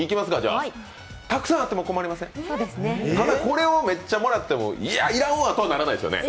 ただ、これをめっちゃもらっても、いや、要らんわとはならないね。